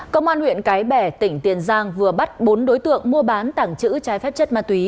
công an huyện cái bè tỉnh tiền giang vừa bắt bốn đối tượng mua bán tảng chữ trái phép chất ma túy